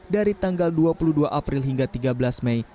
dari tanggal dua puluh dua april hingga tiga belas mei